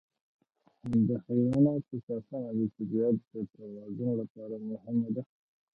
د حیواناتو ساتنه د طبیعت د توازن لپاره مهمه ده.